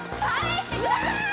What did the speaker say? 返してください！